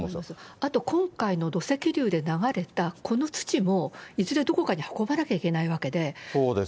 あと今回の土石流で流れたこの土も、いずれどこかに運ばなきゃいけないわけで。